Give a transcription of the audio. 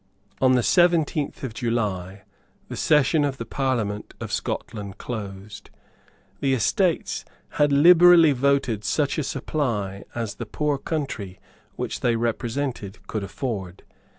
On the seventeenth of July the session of the Parliament of Scotland closed. The Estates had liberally voted such a supply as the poor country which they represented could afford.